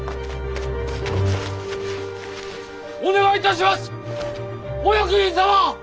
お願いいたしますお役人様！